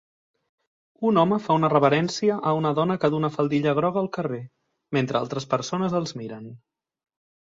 Un home fa una reverència a una dona que duu una faldilla groga al carrer, mentre altres persones els miren.